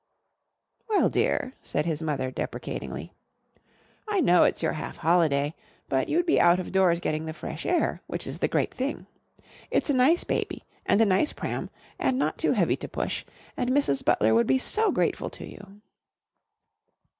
"Well, dear," said his mother deprecatingly, "I know it's your half holiday, but you'd be out of doors getting the fresh air, which is the great thing. It's a nice baby and a nice pram and not heavy to push, and Mrs. Butler would be so grateful to you."